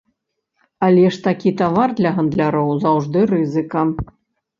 Але ж такі тавар для гандляроў заўжды рызыка.